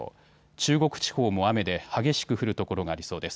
中国地方も雨で激しく降る所がありそうです。